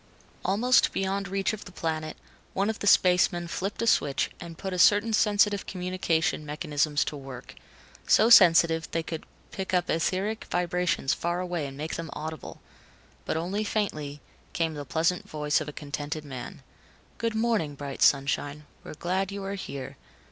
Almost beyond reach of the planet, one of the spacemen flipped a switch and put certain sensitive communication mechanisms to work. So sensitive, they could pick up etheric vibrations far away and make them audible. But only faintly, came the pleasant voice of a contented man: "Good morning, bright sunshine, We're glad you are here.